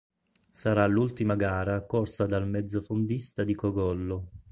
Sarà l'ultima gara corsa dal mezzofondista di Cogollo.